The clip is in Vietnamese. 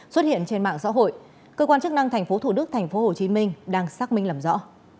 xuất hiện trên mạng xã hội cơ quan chức năng thành phố thủ đức thành phố hồ chí minh đang xác minh làm rõ